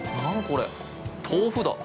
これ、豆腐だ。